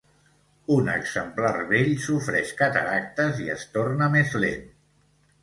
Un exemplar vell sofreix cataractes i es torna més lent.